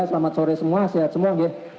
selamat sore semua sehat semua